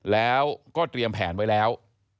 แล้วก็เตรียมแผนไว้แล้ว